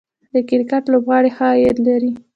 د کرکټ لوبغاړي ښه عاید لري